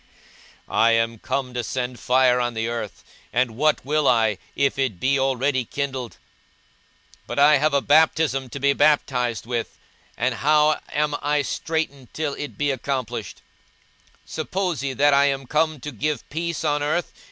42:012:049 I am come to send fire on the earth; and what will I, if it be already kindled? 42:012:050 But I have a baptism to be baptized with; and how am I straitened till it be accomplished! 42:012:051 Suppose ye that I am come to give peace on earth?